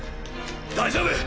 大丈夫！